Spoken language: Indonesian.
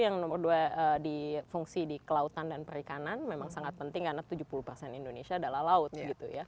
yang nomor dua di fungsi di kelautan dan perikanan memang sangat penting karena tujuh puluh indonesia adalah laut gitu ya